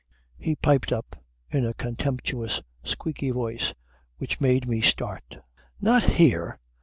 He piped up in a contemptuous squeaky voice which made me start: "Not here.